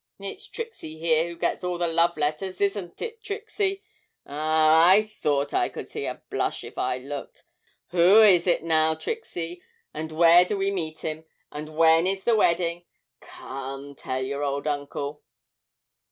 It's Trixie here who gets all the love letters, isn't it, Trixie? ah, I thought I should see a blush if I looked! Who is it now, Trixie, and where do we meet him, and when is the wedding? Come, tell your old uncle.'